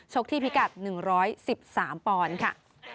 ที่พิกัด๑๑๓ปอนด์ค่ะ